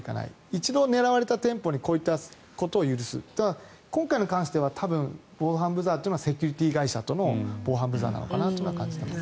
一度狙われた店舗にこういったことを許す今回に関しては多分、防犯ブザーはセキュリティー会社との防犯ブザーかなとは感じています。